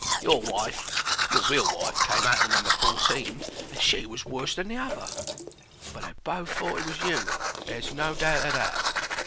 Your wife, your real wife, came out of number fourteen and she was worse than the other. But they both thought it was you there's no doubt of that.